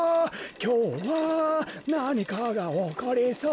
きょうはなにかがおこりそう。